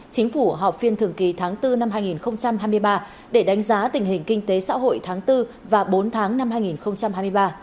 chính phủ họp phiên thường kỳ tháng bốn năm hai nghìn hai mươi ba để đánh giá tình hình kinh tế xã hội tháng bốn và bốn tháng năm hai nghìn hai mươi ba